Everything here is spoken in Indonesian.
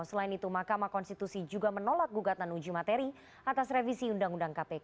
selain itu mahkamah konstitusi juga menolak gugatan uji materi atas revisi undang undang kpk